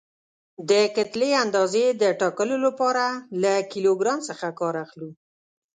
د کتلې اندازې د ټاکلو لپاره له کیلو ګرام څخه کار اخلو.